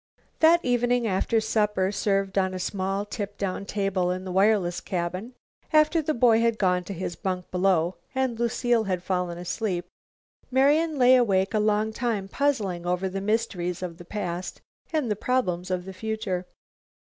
That evening, after a supper served on a small tip down table in the wireless cabin, after the boy had gone to his bunk below, and Lucile had fallen asleep, Marian lay awake a long time puzzling over the mysteries of the past and the problems of the future.